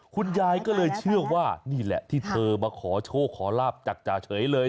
คุณยายก็เลยเชื่อว่านี่แหละที่เธอมาขอโชคขอลาบจากจ่าเฉยเลย